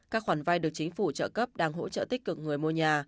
các khoản vay được chính phủ trợ cấp đang hỗ trợ tích cực người mua nhà